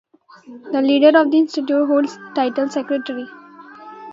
The leader of the institute holds the title secretary.